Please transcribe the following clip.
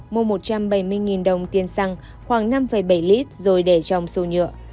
mua một trăm bảy mươi đồng tiền xăng khoảng năm bảy lít rồi để trong xô nhựa